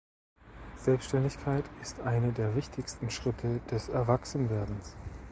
Selbstständigkeit ist einer der wichtigsten Schritte des Erwachsenwerdens.